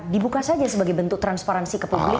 dibuka saja sebagai bentuk transparansi ke publik